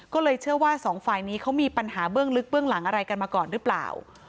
ก็เลยเชื่อว่าสองฝ่ายนี้เขามีปัญหาเบื้องลึกเบื้องหลังอะไรกันมาก่อนหรือเปล่า